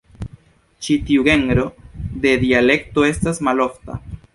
Ĉi tiu genro de dialekto estas malofta.